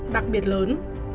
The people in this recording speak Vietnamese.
đặc biệt lớn